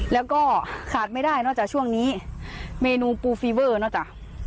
แล้วก็ขาดไม่ได้นอกจากช่วงนี้เมนูปูฟีเวอร์เนอะจ้ะ